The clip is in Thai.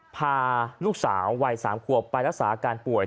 พาลูกสาววัย๓ขวบไปรักษาอาการป่วย